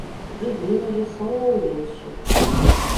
Divino de São Lourenço